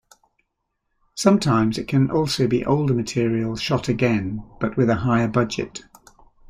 Sometimes it can also be older material shot again, but with a higher budget.